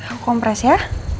aku kompres ya